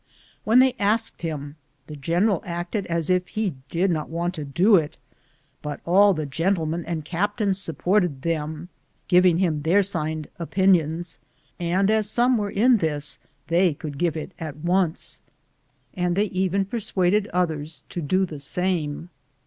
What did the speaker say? When they asked him, the general acted as if he did not want to do it, but all the gentlemen and captains supported them, giving him their signed opinions, and as some were in this, they could give it at once, and they even persuaded others to do the same.